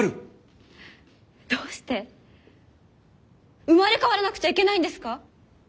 どうして生まれ変わらなくちゃいけないんですか？